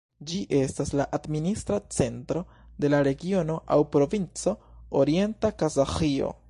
Ĝi estas la administra centro de la regiono aŭ provinco Orienta Kazaĥio.